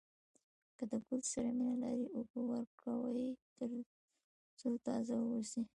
که د ګل سره مینه لرئ اوبه ورکوئ تر څو تازه واوسي.